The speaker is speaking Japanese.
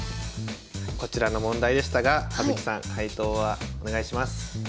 こちらの問題でしたが葉月さん解答はお願いします。